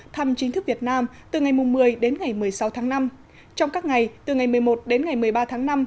thăm chính thức việt nam từ ngày một mươi đến ngày một mươi sáu tháng năm trong các ngày từ ngày một mươi một đến ngày một mươi ba tháng năm